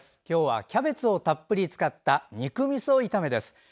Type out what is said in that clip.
今日はキャベツをたっぷり使った肉みそ炒めです。